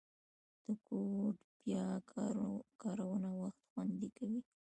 د کوډ بیا کارونه وخت خوندي کوي.